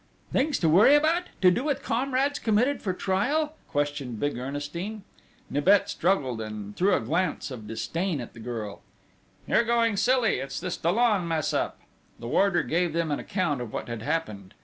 "Things to worry about to do with comrades committed for trial?" questioned big Ernestine. Nibet shrugged and threw a glance of disdain at the girl: "You're going silly! It's this Dollon mess up!" The warder gave them an account of what had happened.